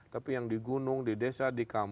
tapi yang di gunung di desa di kampung